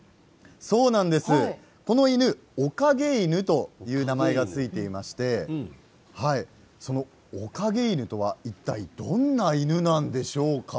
この犬、おかげ犬という名前が付いていましておかげ犬とは、いったいどんな犬なんでしょうか。